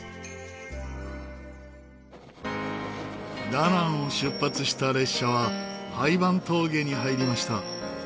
ダナンを出発した列車はハイヴァン峠に入りました。